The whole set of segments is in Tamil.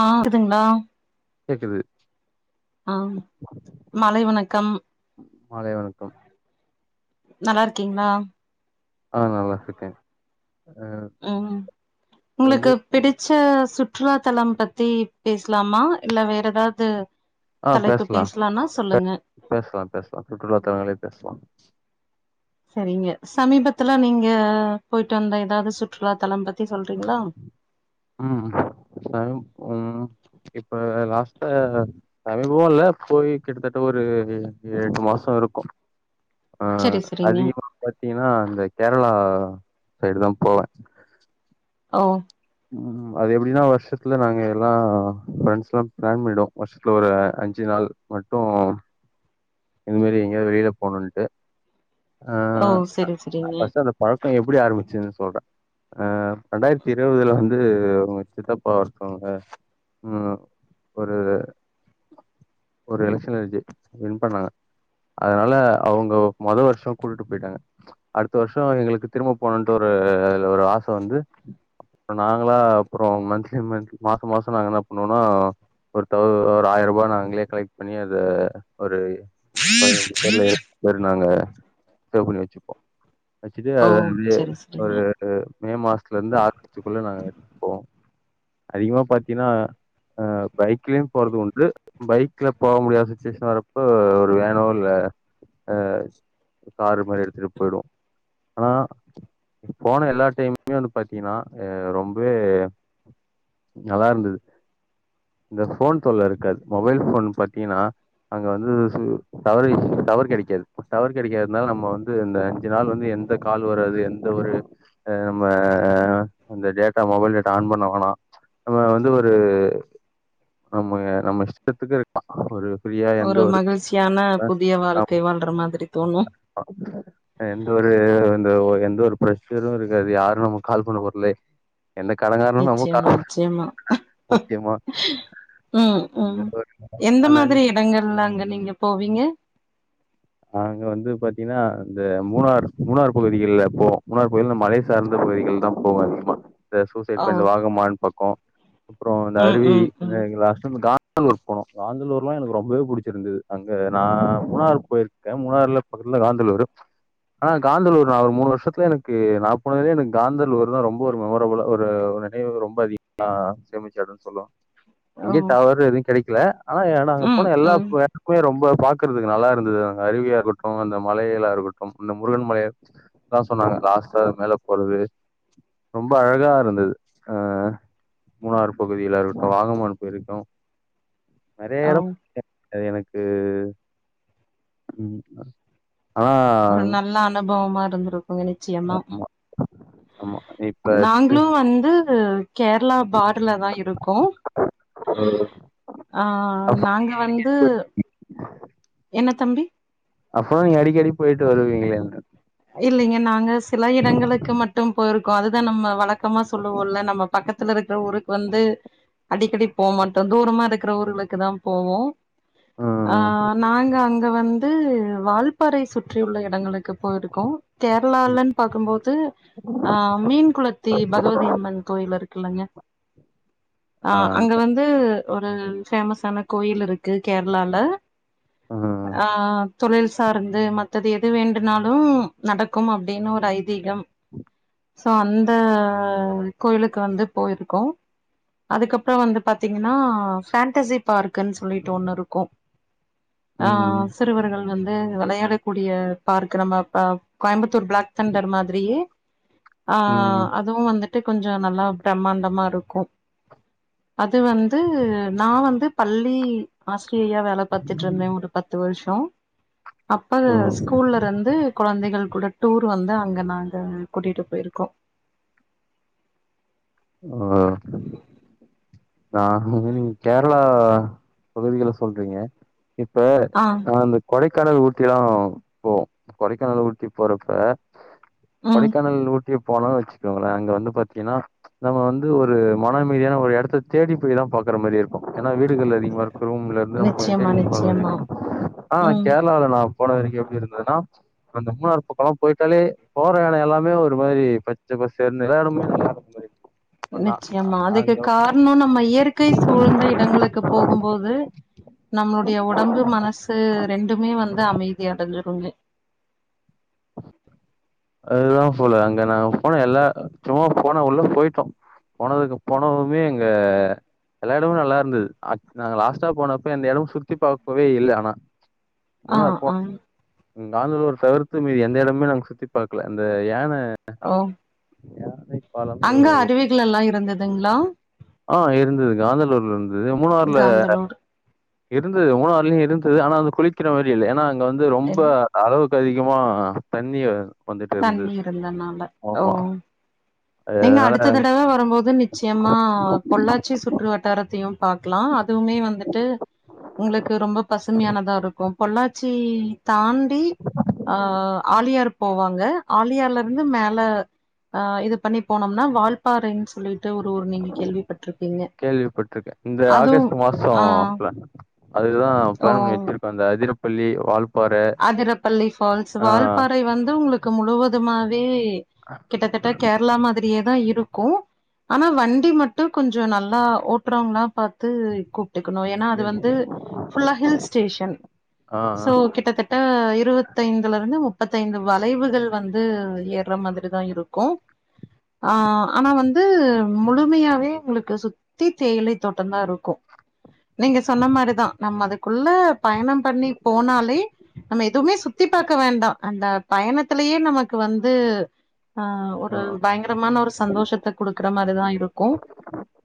ஆ இதுங்களா கேக்குது ஆம் மாலை வணக்கம் மாலை வணக்கம் நல்லா இருக்கீங்களா ஆ நல்லா இருக்கேன் ம் வந்து உங்களுக்கு பிடிச்ச சுற்றுலாத்தளம் பத்தி பேசலாமா இல்ல வேற எதாவுது ஆ பேசலாம் பேசலாம் பேசலாம் சுற்றுலா தளங்களையோ பேசலாம் சரிங்க சமீபத்துலா நீங்க போயிட்டு வந்த அது சுற்றுலா தளம் பத்தி சொல்ற இருங்களா ம் [unintelligible] ம் இப்ப லாஸ்ட்டா சமீபம் இல்ல போய் கிட்டத்தட்ட ஒரு எட்டு மாசம் இருக்கும் அ சரி சரிங்க அதிக பாத்தீங்கன்னா அந்த கேரளா சைடு தா போவேன் ஓ ம் அது எப்டின்னா வருஷத்துல நாங்க எல்லாம் பிளான் பண்ணடுவோம் வருஷத்துல ஒரு அஞ்சு நாள் மட்டும் இதுமாரி எங்கயாது வெளியில போணுட்டு ஓ செரி செரிங்க பழக்கோ எப்டி ஆரம்பிச்சுன்னு சொல்றேன் அ இரண்டாயிரத்து இருவதுல வந்து அவங்க சித்தப்பா ஒருத்தவங்க ம் ஒரு ஒரு எலக்சன்ல வின் பண்ணாங்க அதனால அவுங்கோ மொத வருஷம் கூட்டிட்டு போயிட்டாங்க அடுத்த வருஷம் எங்களுக்கு திரும்ப போணும்ட்டு ஒரு ஆசை வந்து ம் நாங்களா அப்றோ மந்த்லி மந்த் மாசம் மாசம் நாங்க என்ன பண்ணுவோம்னா ஒரு தௌ ஒரு ஆயிரம் ரூபா நாங்களே கலெக்ட் பண்ணி அத ஒரு பதினாஞ்சு பேர்ல இரண்டு பேர் நாங்க சேவ் பண்ணி வச்சுப்போம் ஆச்சுட்டு ஓ அத உள்ள சரி சரிங்க ஒரு மே மாசத்துல இருந்து ஆகாஸ்ட்க்குள்ள நாங்க போவோம் அதிகமா பாத்தீங்கன்னா அ பைக்லே போறது உண்டு பைக்ல போக முடியாத சுச்சிவேஷக்கு வரப்ப வேற ஒன்னு இல்ல அ காரு மாரி எடுத்துட்டு போயிடுவோம் ஆனா போன எல்லா டைமுமே வந்து பாத்தீங்கன்னா ரொம்பவே நல்லா இருந்தது இந்த ஃபோன் தொல்ல இருக்காது. மொபைல் ஃபோன் பாத்தீங்கன்னா அங்க வந்து சு கவரேஜ் டவர் கெடைக்காது. டவர் கெடைக்காதனால நம்ம வந்து இந்த அஞ்சு நாள் வந்து எந்த காலு வராது எந்த ஒரு ஆ நம்ம அந்த டேட்டா மொபைல் டேட்டா ஆன் பண்ண வேணா நம்ம வந்து ஒரு ஆமாங்க நம்ம இஷ்டத்துக்கு இருக்கலா ஒரு ஃப்ரீயா எந்த ஒரு மகிழ்ச்சியான புதிய வாழ்க்கை வாழ்ற மாதிரி தோணு அ ஆ எந்த ஒரு இந்த எந்த ஒரு பிரஷ்ஷரு இருக்காது யாரு நமக்கு கால் பண்ண போறதில்ல எந்த கடங்காரனு நமக்கு கால் நிச்சயமா பண்ண நிச்சயமா முக்கியமா ம் ம் எந்த மாதிரி அதனால இடங்கல்லா அங்க நீங்க போவீங்க? நாங்க வந்து பாத்தீங்கன்னா இந்த மூணார் மூணார் பகுதிகள்லா போவோ மூணார் பகுதில இந்த மலை சார்ந்த பகுதிகள்தா போவோ அதிகமா இந்த சூசைட் ஓ பாய்ண்ட் இந்த வாகமான் பக்கோ அப்றோ இந்த ம் அருவி ம் இந்த ம் இங்க லாஸ்ட் டைம் கா காந்தளூர்க்கு போனோ காந்தளூர்லா எனக்கு ரொம்பவே புடிச்சிருந்தது அங்க நா மூணார் போய்ரு க்கே மூணாறுல பக்கத்துல காந்தளூரு ஆனா காந்தளூர் நா ஒரு மூணு வருஷத்துல எனக்கு நா போனதுலயே எனக்கு காந்தளூர்தா ரொம்ப ஒரு ஒரு ஒரு ஒரு ஒரு நினைவு ரொம்ப அதிகமா சேமிச்சதன்னு சொல்லுவே ஓ அங்கயு டவர் எது கெடைக் கல ஆனா ஏ நாங்க ம் போன எல்லா ம் ஆ எடமுமே ரொம்ப பாக்கறதுக்கு நல்லா இருந்தது ஆனா அருவியா இருக்கட்டு அந்த மலைகளா இருக்கட்டு அந்த முருகன் மலை தா சொன்னாங்க லாஸ்டா மேல போறது ரொம்ப அழகா இருந்தது ஆ மூணார் பகுதிகளா இருக்கட்டு வாகமான் போயிருக்கோ நெறைய ஓ எடோ [inaudible] அது எனக்கு ம் ஆ ஒரு நல்ல அனுபவமா இரு ந்துரு அவங்க நிச்சயமா ஆமா ஆமா இப்ப நாங்களு வந்து து கேரளா பா டர்லதா இருக்கோ ஆ நாங்க வந்து என்ன தம்பி அப்பன்னா நீங்க அடிக்கடி போயிட்டு வருவீங்களே அங்க இல்லைங்க நாங்க சில எடங்களுக்கு மட்டும் போயிரு க்கோ அதுதா நம்ம வழக்கமா சொல்லுவோ இல்ல நம்ம பக்கத்துல இருக்கிற ஊருக்கு வந்து அடிக்கடி போ மாட்டோ தூரமா இருக்கிற ஊர்களுக்குதா போவோ ஆ ம் நாங்க அங்க வந்து வால்பாறைய சுற்றி உள்ள எடங்களுக்கு போயிரு க்கோ கேரளாலன்னு பாக்கும்போ து ஆ மீன் குளத்தி பகவதியம்மன் கோயில் இரு இல்லங்க ஆ அங்க வந்து ஒரு பேமஸ் ஆனா கோயில் இருக்கு கேரளால ம் ஆ தொழில் சார்ந்து மத்தது எது வேண்டுனாலு நடக்கும் அப்பிடின்னு ஒரு ஐதீகம் சோ அந்த கோயிலுக்கு வந்து போயிருக்கோ அதுக்கப்பறோ வந்து பாத்தீங்கன்னா ஃபேண்டசி பார்க்ன்னு சொல்லிட்டு ஒண்ணு இருக்கு ஆ ம் சிறுவர்கள் வந்து விளையாடக்கூடிய பார்க்கு நம்மப்ப கோயம்பத் த்துர் பிளாக்தண்டர் மாதிரியே ஆ ம் அதுவு வந்துட் ட்டு கொஞ்சோ நல்லா பிரம்மாண்டமா இருக்கு அது வந்து நா வந்து பள்ளி ஹாஸ் பிரியா வேல பாத்துட்டுருந்தே ஒரு பத்து வருஷ் ட்டோ அப்ப ஓ ஸ்கூல்லருந்து கொழந்தைகள் கூட டூர் வந்து அங்க நாங்க கூட்டிட்டு போயிருக்கோ ஓ நா நீங்க கேரளா பகுதிகள்ல சொல்றீங்க இப்ப ஆ நா அந்த கொடைக் க்கானல் ஊட்டில்லா போ கொடைக்கானல் ஊட்டி போறப்ப ம் கொடைக்கானல் ஊட் ட்டி போனானனு வச்சுக்கோங்களே அங்க வந்து பாத்தீன்னா நம்ம வந்து ஒரு மனமீதியான ஒரு இடத்த தேடி போய்தா பாக்குற மாரி இருக்கு ஏன்னா வீடுகள் அதிகமா இருக்கு ரூம்லருந்து நம்ம நிச்சயமா கொஞ் நிச்சயமா [unintelligible] ஆ ம் கேரளாலனா போன வரைக்கு எப்பிடி இருந்ததுன்னா அந்த மூனாறு பக்ககோலா போயிட்டாலே போற இடோ எல்லாமே ஒரு மாரி பச்சபசேர்னு எல்லாடமே நல்லாருக்கு நிச்சயமா அதுக்கு காரணோ நம்ம இயற்கை சூழ்ந்த இடங்களுக்கு போகும்போது நம்மளுடைய உடம்பு மனசு ரெண்டுமே வந்து அமைதி அடைஞ்சிருஜி அதுதா போல்ல அங்க நாங்க போன எல்லா சும்மா போன உள்ள போயிட்டோ போனது போனவுமே எங்க எல்லா இடமு நல்லா இருந்தது அ நாங்க லாஸ்ட்டா போனப்ப எந்த இடமும் சுத்தி பாக்கவே இல்ல ஆனா ஆஆம் காந்தனூர் சவர் த்து மீதி எந்த எடமே நாங்க சுத்தி பாக்கல அந்த யான ஓ அங்க ஒரு அருவிகள்ல்லா இருந்துதுங்களா ஆ இருந்தது காந்தலூர்ல இருந்தது மூனாறுல காந்தலூர் இருந்தது மூனாறுலயு இருந்தது ஆனா வந்து குளிக்கிற மாரி இல்ல ஏன்னா இங்க வந்து ரொம்ப எல்- அளவுக் அளவுக்கு அதிகமா தண்ணி வந்துட்டு இருந்தது. தண்ணி இருந்தனால ஓ ஆமா. நீங்க அதனால அடுத்த தடவ வரும்போது நிச்சயமா ஆ பொள்ளாச்சி சுற்றுவட்டாரத்தையும் இருக்கலாம் அதுவுமே வந்துட்டு உங்களுக்கு ரொம்ப பசுமையானதா இருக்கும் பொள்ளாச்சி தான் டி ஆ ஆலியார் போவாங்க ஆலியார்ல இருந்து மேல ஆஹ இது பண்ணி போனோம்னா வால்பாறைன்னு சொல்லிருக்கும் கேள்விப்பட்டிருக்கேன் இந்த அதுவு ஆகஸ்ட் ஆ மாசோம் பிளான் அதுதான் ஓ பிளான் பண்ணி வச்சிருக்கேன் அந்த அத பள்ளி வால் அதிரப்பள்ளி ஃபால்ஸ் வால்பாறை வந்து உங்களுக்கு முழுவதுமாவே கிட்டத்தட்ட கேரளா மாதிரியேதான் இருக்கும் ஆனா வண்டி மட்டும் கொஞ்சம் நல்லா ஓட்டுறவங்களா பார்த்து இருக்கணும் ஏன்னா அது என்- வந்து புல்லா ஹில்ஸ் ஸ்டேஷன் ஆ ஆ சோ கிட்டத்தட்ட இருபத்தைந்துல முப்பத்தைந்து வளைவுகள் வந்து ஏறுற மாதிரிதான் இருக்கும் ஆஹ் ஆனா வந்து முழுமையாவே உங்களுக்கு சுத்தி தேயிலை தோட்டம்தான் இருக்கும் நீங்க சொன்ன மாதிரிதான் நம் அதுக்குள்ள பயணம் பண்ணி போனாலே நம்ம எதுவுமே சுத்தி பார்க்க வேண்டாம் அந்த பயணத்திலயே நமக்கு வந்து ஆஹ் ஆ ஒரு பயங்கரமான ஒரு சந்தோஷத்தை கொடுக்குற மாதிரிதான் இருக்கும்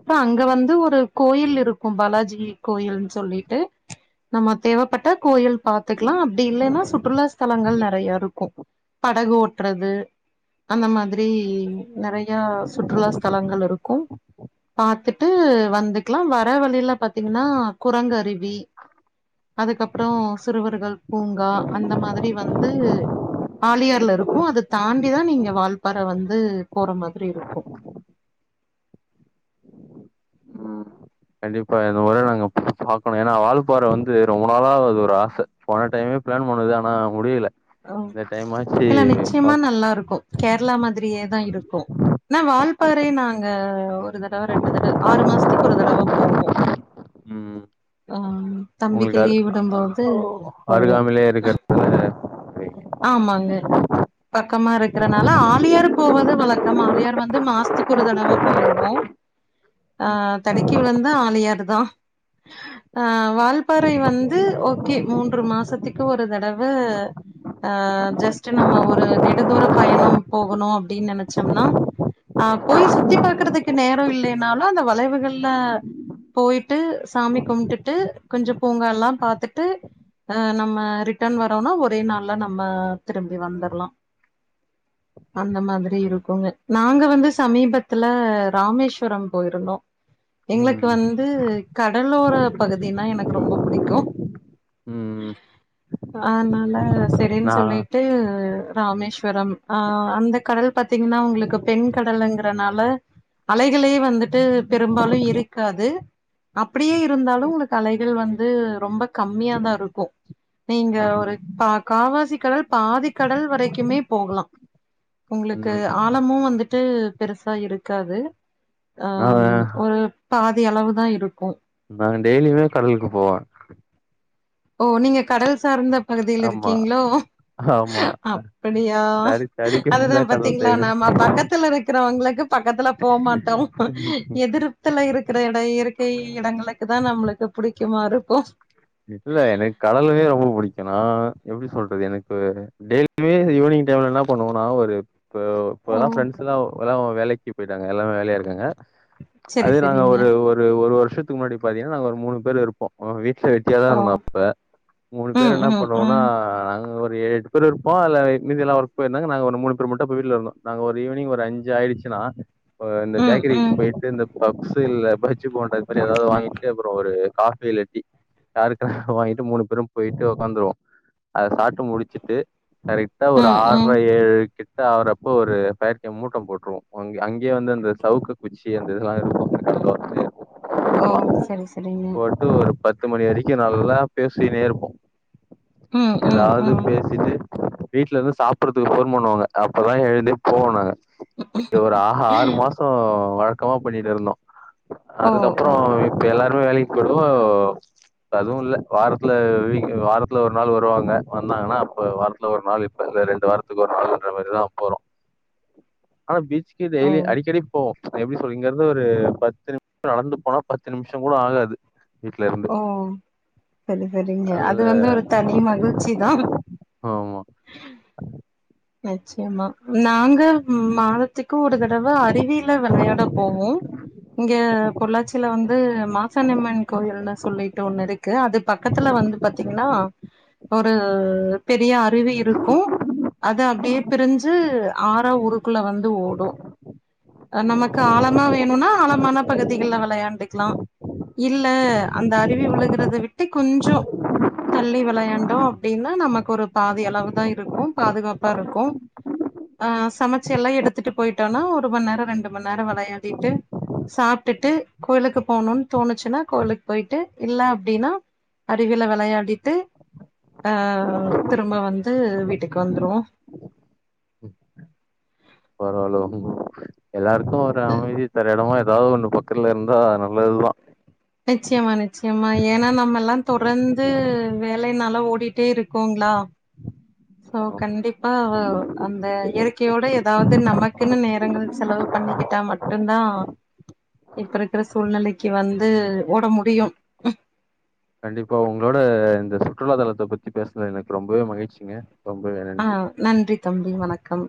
அப்றம் அங்க வந்து ஒரு கோயில் இருக்கும் பாலாஜி கோயில்னு சொல்லிட்டு நம்ம தேவைப்பட்ட கோயில் பார்த்து பாத்துக்கலாம் அப்படி இல்லைன்னா சுற்றுலா ஸ்தலங்கள் நிறைய இருக்கும் படகு ஓட்டுறது அந்த மாதிரி நெறைய சுற்றுலா ஸ்தலங்கள் இருக்கும் பாத்துட்டு பாத்துட்டு வந்துக்கலாம் வர வழியில பார்த்தீங்கன்னா குரங்கருவி அதுக்கப்புறம் வந்து ஆலியார்ல இருக்கு அது தாண்டிதா நீங்க வால்பாற வந்து போற மாதிரி இருக்கு உம் கண்டிப்பா இந்த முறை நாங்க பாக்கணும் ஏன்னா வாழ்பாறை வந்து ரொம்ப நாளா அது ஒரு ஆசை போன டைமே பிளான் பண்ணுது ஆனா முடியல இந்த டைம் ஆச்சு இல்ல நிச்சயமா பாக் நல்லா இருக்கும் கேரளா மாதிரியேதான் இருக்கும் ஆன வால் வால்ப்பாறை நாங்க ஒரு தடவை ரெண்டு தடவை ஆறு மாசத்துக்கு ஒரு தடவை போவோம் ஆஹ் தம்பிக்கு உங்களுக்கு அரு லீவ் விடும்போது ஓ, போவோம் அருகாமையிலே இருக்க ஆமாங்க பக்கமா இருக்கறனால ஆலியார் போவது வழக்கம் ஆலியார் வந்து மாசதிக்கு ஒரு தடவை போயிருவோம் ஆ தடுக்கி விழுந்தா ஆலியார் தான் ஆ வால்பாறை வந்து ஓகே மூன்று மாசத்துக்கு ஒரு தடவ ஆ ஜஸ்ட்டு நம்ம ஒரு நெடுதூர பயணம் போகணும் அப்படின்னு நினைச்சோம்னா அ போய் சுத்தி பார்க்கறதுக்கு நேரம் இல்லனாலும் அந்த வளைவுகள்லா போய்ட்டு சாமி கும்ட்டுட்டு கொஞ்சம் பூங்கா எல்லாம் பார்த்துட்டு அ நம்ம ரிட்டர்ன் வரோனா ஒரே நாள் நம்ம திரும்பி வந்துரலாம் அந்த மாதிரி இருக்குங்க நாங்க வந்து சமீபத்துல ராமேஸ்வரம் போயிருந்தோம் எங்களுக்கு ம் வந்து கடலோர பகுதினா எனக்கு ரொம்ப பிடிக்கும் ம் அதனால செரின்னு நா சொல்லிட்டு ராமேஸ்வரம் ஆ அந்த கடல் பார்த்தீங்கன்னா உங்களுக்கு பெண் கடலுங்கறனால அலைகளே வந்துட்டு பெரும்பாலும் இருக்காது அப்படியே இருந்தாலும் உங்களுக்கு அலைகள் வந்து ரொம்ப கம்மியாதான் இருக்கும் நீங்க ஒரு பா காவாசி கடல் பாதி கடல் வரைக்குமே போகலாம் உங்களுக்கு ம் ஆழமும் வந்துட்டு பெருசா இருக்காது ஆ நா ஒரு பாதி அளவு தான் இருக்கும் நான்னு டெய்லியுமே கடலுக்கு போவேன் ஓ நீங்க கடல் சார்ந்த பகுதியில ஆமா இருக்கீங்களோ ஆமா அப்படியா தறி தறிக்கு அதுதான் கடல் தேவை பாத்தீங்களா நாம பக்கத்துல இருக்கிறவங்களுக்கு பக்கத்துல போமாட்டோம் எதிர்ப்த்துல இருக்கிற இட இயற்கை இடங்களுக் இதான் நம்மளுக் புடிக்குமா இருக்கும் இல்ல எனக்கு கடலுமே ரொம்ப புடிக் ஏனா எப்படி சொல்றது எனக்கு டெய்லியுமே ஈவினிங் டைம்ல என்ன பண்ணுவோம்னா ஒரு இப்ப இப்ப ஓ! எல்லாம் ஃப்ரெண்ட்ஸ்லாம் எலாம் வேலைக்கு போய்ட்டாங்க எல்லாமே வேலையா இருக்காங்க சரி, அதே நாங்க சரிங்க. ஒரு ஒரு ஒரு வரு ஷத்துக்கு முன்னாடி பாத்தீங்கங்கனா ஒரு மூணு பேரு இருப்போம் வெட்டியா தான் ஓ! இருந்தோம் அப்ப மூணு பேரு ம், என்ன ம், பண்ணுவோம்னா ம். அங்க ஒரு எட்டு பேர் இருப்போம் அதுல மீதி எல்லாம் ஒர்க் போயிருந்தாங்க நாங்க ஒரு மூணு பேரு மட்டும் அப்போ வீட்டுல இருந்தோம் நாங்க ஒரு ஈவினிங் ஒரு அஞ்சு ஆயிருச்சுன்னா ஆ இந்த ம், பேக்கரி ம். போயிட்டு இந்த பஃப்ஸ் இல்ல பஜ்ஜி போண்டா ஏதாவது வாங்கிட்டு அப்புறோம் ஒரு காஃபி இல்ல டீ யாருக்கா வாங்கிட்டு மூணு பேரும் போயிட்டு உட்காந்துருவோம் அத சாப்ட்டு முடிச்சுட்டு கரெக்ட்டா ஆ ஒரு ம், ம். ஆறரை ஏழு கிட் ட ஆவர்ப்போ ஒரு பய்கி மூட்டம் போட்டுவோம் அங்க அங்கேயே வந்து அந்த சவுக்கு குச்சி அந்த இதெல்லாம் இருக்கும் ஓ செரி செரிங்க போட்டு ஒரு பத் து மணி வரைக்கும் நல்ல பேசின்னே இருப்போம் ம், ம், ஏதாவது ம். பேசிட்டு வீட்ல இருந்து சாப்பிடறதுக்கு போன் பண்ணுவாங்க அப்பதான் எழுந்தே போவோம் நாங்க ஒரு ஆ ஆறு மாசம் வழக்கமா பண்ணிட்டு இருந்தோம் ஓ! ஓ! அதுக்கப்பறம் இப்ப எல்லார் [unintelligible] இப்படு அதுவுல்ல வாரத்துல விக் வாரத்துல ஒரு நாள் வருவாங்க வந்தாங்கன்னா அப்ப வாரத்துல ஒரு நாள் இப்ப இல்ல ரெண்டு வாரத்துக்கு ஒரு நாள்ன்ற மாரிதாபோறோ ஆனா பீச்க்கு ஓ! டெய்லி அடிக்கடிக் போவோ எப்பிடி சொல்லி இங்கர்ந்து ஒரு பத்து நிமிஷம் நடந்து போனா பத்து நிமிஷம் கூட ஆகாது வீட்ல இருந்து. ஓ சரி சரிங்க அது நல்ல வந்து ஒரு தனி மகிழ்ச்சிதா ம் ஆமா நிச்சயமா ம் நா இங்க மாதத்துக்கு ஒரு தடவ அருவியில விளையாட போவோ இங்க பொள்ளாச்சியில வந்து மாசனியம்மன் கோயில்னு சொல்லிட்டு ஒண்ணு இருக்கு அது பக்கத்துல வந்து பாத்தீங்கன்னா ஒரு பெரிய அருவி இருக்கு அது அப்பிடியே பிரிஞ்சு ஆற ஊருக்குள்ள வந்து ஓடு நமக்கு ஆழமா வேணும்னா ஆழமான பகுதிகல விளையாண்டுக்கலா இல்ல அந்த அருவி விழுகுறத விட்டு கொஞ்சோ தள்ளி விளையாண்டோ அப்பிடின்னா நமக்கு ஒரு பாதி அளவுதா இருக்கு பாதுகாப்பா இருக்கு ஆ சமச்சில்லா எடுத்துட்டு போயிட்டோனா ஒருமநேரோ ரெண்டுமநேரோ விளையாடிட்டு சாப்பிட்டுட்டு கோயிலுக்கு போனோன் தோணுச்சுன்னா கோயிலுக்கு போயிட்டு இல்ல அப்பிடின்னா அருவியில விளையாடிட்டு அ திரும்ப வந்து வீட்டுக் க்கு வந்துருவோ பரவால்ல [unintelligible] எல்லாருக்கு ஒரு அமைதி தர இடமா இ ஏதா ஒண்ண பக்கல்ல இருந்தா நல்லதுதா நிச்சயமா நிச்சயமா ஏன்னா நம்மல்லா தொடர்ந்து வேலைனால ஓடிட்டே இருக்கோங்களா சோ ஆமா. கண்டிப்பா ஆ அந்த இயற்கையோட ஏதாவது நமக்குன்னு நேரங்கள் செலவு பண்ணிக்கிட்டா மட்டுதா இப்ப இருக்கிற சூழ்நிலைக்கு வந்து ஓட முடியு கண்டிப்பா உங்களோட இந்த சுற்றுலாதலத்த பத்தி பேசுன எனக்கு ரொம்பவே மகிழ்ச்சிங்க ரொம்பவே நன்றி. ஆ நன்றி தம்பி வணக் கம்